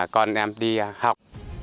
con em đi học